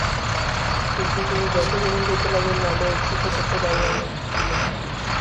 কিন্তু তিনি যতই গোপন করিতে লাগিলেন, আমার ঔৎসুক্য ততই বাড়িয়া উঠিল।